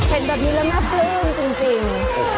เห็นแบบนี้แล้วน่าปลื้มจริง